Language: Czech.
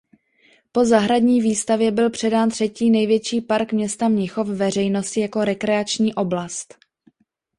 Po zahradní výstavě byl předán třetí největší park města Mnichov veřejnosti jako rekreační oblast.